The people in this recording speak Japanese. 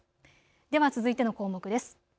では続いての項目です。